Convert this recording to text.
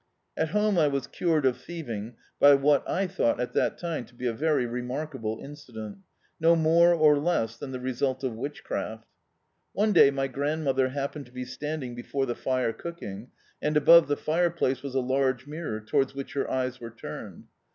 At home I was cured of thieving by what I thou^t at that time to be a very remarkable incident — ^no more or less than the result of witchcraft. One day my grandmother happened to be standing be fore the fire cooking, and above the fireplace was a large mirror, towards which her eyes were turned.